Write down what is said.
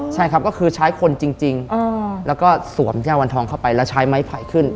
ใช้คนจริงสวมยาวล้องค่ะไปประมาณแบบเปรต